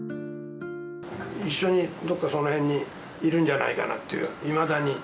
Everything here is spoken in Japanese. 一緒にどっかその辺にいるんじゃないかなっていう、いまだに。